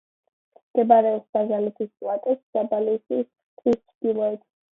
მდებარეობს ბაზალეთის პლატოზე, ბაზალეთის ტბის ჩრდილოეთით.